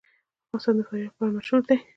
افغانستان د فاریاب لپاره مشهور دی.